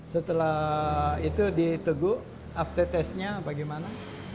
setelah itu diteguk after test nya bagaimana